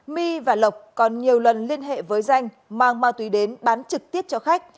my và lộc còn nhiều lần liên hệ với danh mang ma túy đến bán trực tiếp cho khách